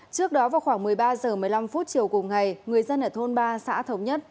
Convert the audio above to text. trước đó vào khoảng một mươi ba h một mươi năm chiều cùng ngày người dân ở thôn ba xã thống nhất